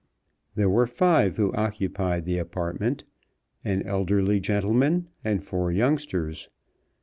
There were five who occupied the apartment, an elderly gentleman and four youngsters.